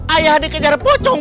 ayah ada yang kejar pocong